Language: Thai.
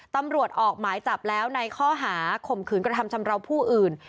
ตำรวจออกหมายจับแล้วในข้อหาข่มขืนกระทำชำราวผู้อื่น